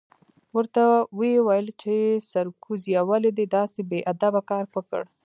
ورته ویې ویل چې سرکوزیه ولې دې داسې بې ادبه کار وکړ؟